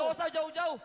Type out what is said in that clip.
gak usah jauh jauh